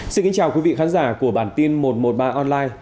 xin kính chào quý vị khán giả của bản tin một trăm một mươi ba online